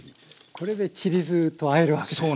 これでちり酢とあえるわけですね。